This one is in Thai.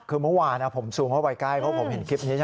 คือเมื่อวานผมซูมเข้าไปใกล้เพราะผมเห็นคลิปนี้